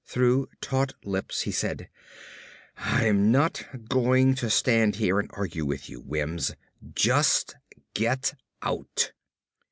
Through taut lips he said, "I'm not going to stand here and argue with you, Wims; just get out."